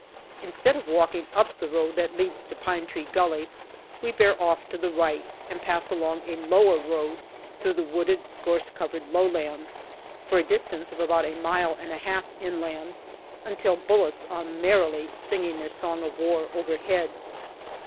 Instead of walking up the road that leads to Pine Tree Gully, we bear off to the right, and pass along a lower road through the wooded, gorse covered low lands for a distance of about a mile and a half inland, until bullets are merrily singing their song of war overhead.